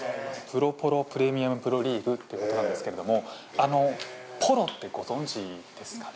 ・プロポロプレミアムプロリーグっていうことなんですけれどもポロってご存じですかね？